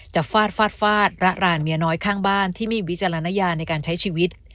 ฟาดฟาดฟาดระรานเมียน้อยข้างบ้านที่มีวิจารณญาในการใช้ชีวิต